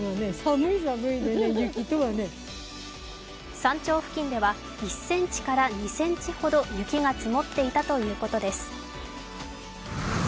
山頂付近では１２ｃｍほどの雪が積もっていたということです。